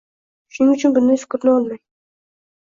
Shuning uchun bunday fikrni olmang.